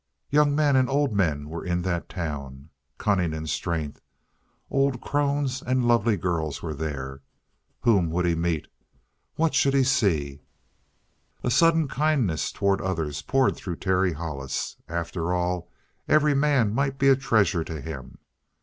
Young men and old men were in that town, cunning and strength; old crones and lovely girls were there. Whom would he meet? What should he see? A sudden kindness toward others poured through Terry Hollis. After all, every man might be a treasure to him.